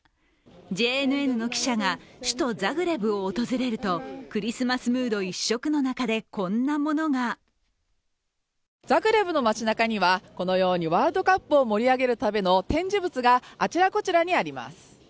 ＪＮＮの記者が首都ザグレブを訪れるとクリスマスムード一色の中でこんなものがザグレブの街なかにはこのようにワールドカップを盛り上げるための展示物があちらこちらにあります。